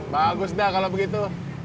bagus dad kalau begitu